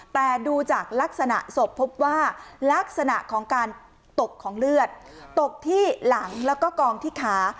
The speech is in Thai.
แต่ดูจากลักษณะศพพบว่าลักษณะของการตกของเลือดตกที่หลังแล้วก็กองที่ขา